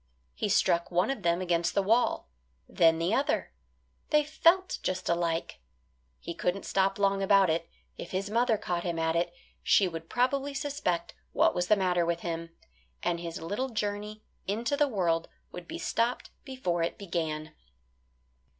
He struck one of them against the wall; then the other, they felt just alike. He couldn't stop long about it; if his mother caught him at it, she would probably suspect what was the matter with him, and his little journey into the world would be stopped before it began.